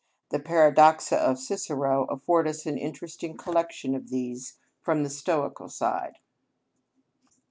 The Paradoxa of Cicero afford us an interesting collection of these from the Stoical side.